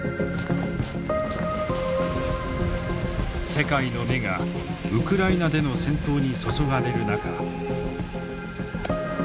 世界の目がウクライナでの戦闘に注がれる中。